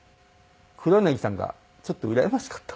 黒柳さんがちょっとうらやましかった。